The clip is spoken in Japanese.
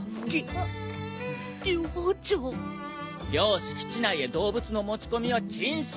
寮敷地内へ動物の持ち込みは禁止。